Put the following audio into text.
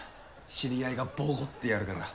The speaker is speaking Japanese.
知り合いがボコってやるから。